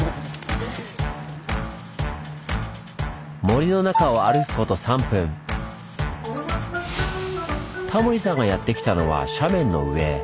森の中をタモリさんがやって来たのは斜面の上。